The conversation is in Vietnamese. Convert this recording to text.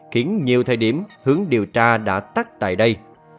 khiến nhiều thời điểm hướng điều tra đã tắt tại đây